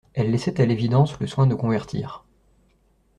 Elle laissait à l'évidence le soin de convertir.